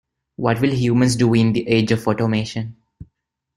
What will humans do in the age of automation?